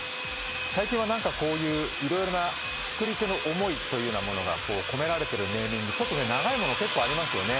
最近はこういういろいろな作り手の思いというものが込められているネーミング、ちょっと長いもの、結構ありますよね。